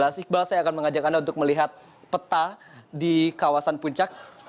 mas iqbal saya akan mengajak anda untuk melihat peta di kawasan puncak